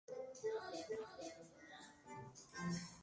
Construye el nido con hojas secas, en forma de taza, cerca del suelo.